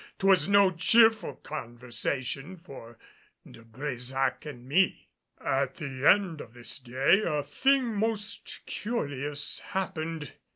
'Twas no cheerful conversation for De Brésac and me. At the end of this day a thing most curious happened.